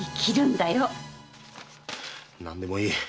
何でもいい。